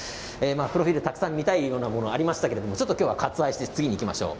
プロフィールたくさん見たいようなものがありましたけれども今日はちょっと割愛して次にいきましょう。